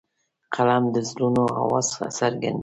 قلم د زړونو آواز څرګندوي